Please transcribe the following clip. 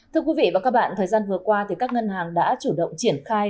thưa quý vị và các bạn thời gian vừa qua các ngân hàng đã chủ động triển khai